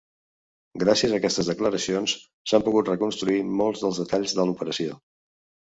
Gràcies a aquestes declaracions s'han pogut reconstruir molts dels detalls de l'operació.